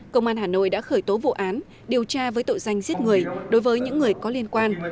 công an hà nội đã khởi tố vụ án điều tra với tội danh giết người đối với những người có liên quan